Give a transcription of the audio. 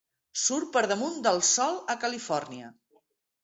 Surt per damunt del sol a Califòrnia.